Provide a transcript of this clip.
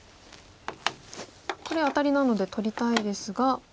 これアタリなので取りたいですが。